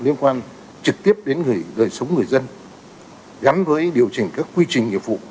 liên quan trực tiếp đến người sống người dân gắn với điều chỉnh các quy trình nhiệm vụ